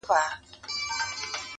لکه جوړه له مرمرو نازنینه-